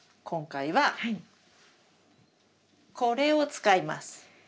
今回はこれを使います。